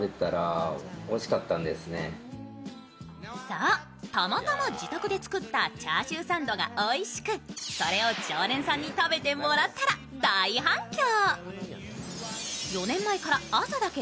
そう、たまたま自宅で作ったチャーシューサンドがおいしくそれを常連さんに食べてもらったら大反響。